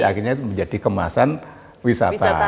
akhirnya menjadi kemasan wisata